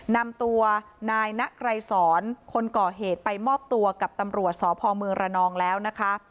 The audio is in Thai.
นำตัวนายนไกรสอนคนก่อเหตุไปมอบตัวกับตำรวจสพเมืองระนองแล้วนะคะ